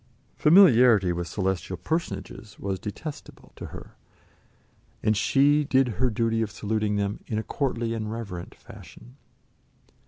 Familiarity with celestial personages was detestable to her, and she did her duty of saluting them in a courtly and reverent fashion.